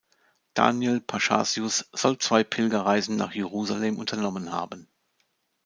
Daniel Paschasius soll zwei Pilgerreisen nach Jerusalem unternommen haben.